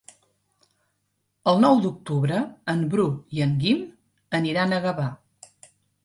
El nou d'octubre en Bru i en Guim aniran a Gavà.